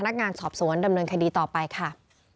จากนั้นก็จะนำมาพักไว้ที่ห้องพลาสติกไปวางเอาไว้ตามจุดนัดต่าง